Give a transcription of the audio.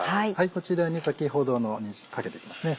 こちらに先ほどのかけていきますね